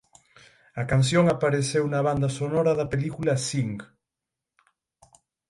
A canción apareceu na banda sonora da película "Sing".